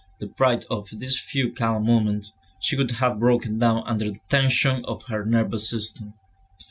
Deprived of these few calm moments, she would have broken down under the tension of her nervous system.